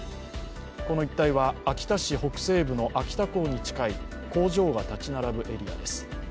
この一帯は秋田市北西部の秋田港に近い工場が立ち並ぶエリアです。